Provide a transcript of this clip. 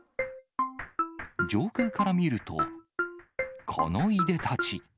上空から見ると、このいでたち。